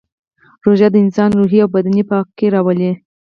روژه د انسان روحي او بدني پاکي راولي